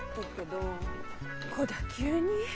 どこだ急に。